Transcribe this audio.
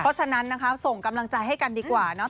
เพราะฉะนั้นนะคะส่งกำลังใจให้กันดีกว่าเนาะ